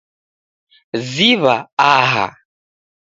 Ziw'a aha.